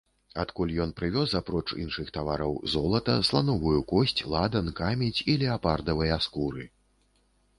Адтуль ён прывёз, апроч іншых тавараў, золата, слановую косць, ладан, камедзь і леапардавыя скуры.